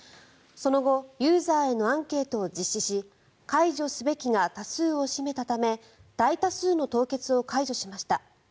その後ユーザーへのアンケートを実施し解除すべきが多数を占めたため大多数の凍結を解除しました。